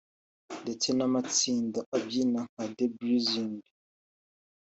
ndetse n’amatsinda abyina nka The Blessings